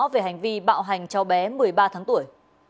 về hành vi bạo hành cháu bé một mươi ba tháng tuổi